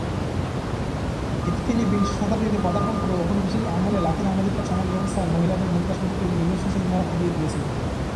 এতে তিনি বিংশ শতাব্দীতে পদার্পণ করে ঔপনিবেশিক আমলে লাতিন আমেরিকার সমাজব্যবস্থায় মহিলাদের ভূমিকা সম্পর্কে নিজস্ব চিন্তাধারা ফুটিয়ে তুলেছিলেন।